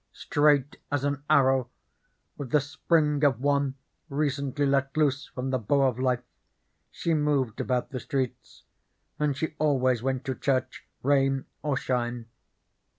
Straight as an arrow, with the spring of one recently let loose from the bow of life, she moved about the streets, and she always went to church, rain or shine.